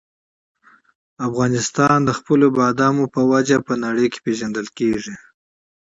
افغانستان د خپلو بادامو له مخې په نړۍ کې پېژندل کېږي.